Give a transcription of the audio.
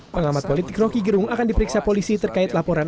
pengamat politik roky gerung akan diperiksa polisi terkait laporan